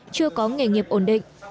chưa có nghề nghiệp ổn định